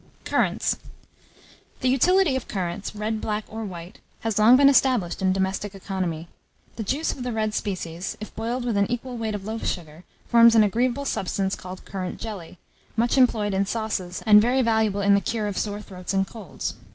] CURRANTS. The utility of currants, red, black, or white, has long been established in domestic economy. The juice of the red species, if boiled with an equal weight of loaf sugar, forms an agreeable substance called currant jelly, much employed in sauces, and very valuable in the cure of sore throats and colds.